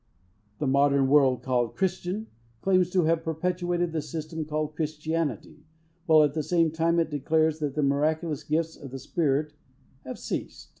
The modern world, called "Christian" claims to have perpetuated the system called "Christianity," while, at the same time, it declares, that the miraculous gifts of the Spirit have ceased.